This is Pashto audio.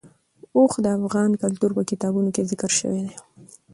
اوښ د افغان تاریخ په کتابونو کې ذکر شوی دي.